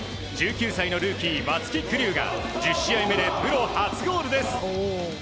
１９歳のルーキー、松木玖生が１０試合目でプロ初ゴールです。